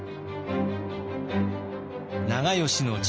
長慶の父